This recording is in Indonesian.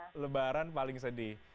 iya lebaran paling sedih